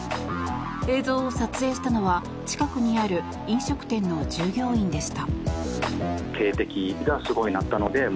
映像を撮影したのは近くにある飲食店の従業員でした。